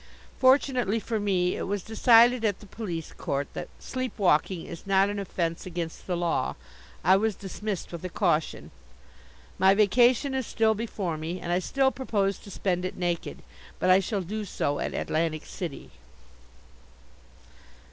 Fortunately for me, it was decided at the police court that sleep walking is not an offence against the law. I was dismissed with a caution. My vacation is still before me, and I still propose to spend it naked. But I shall do so at Atlantic City.